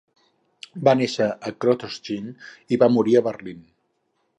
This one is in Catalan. Va néixer a Krotoschin i va morir a Berlín.